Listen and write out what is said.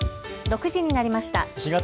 ６時になりました。